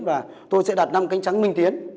và tôi sẽ đặt năm cánh trắng minh tiến